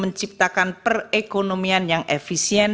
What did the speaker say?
menciptakan perekonomian yang efisien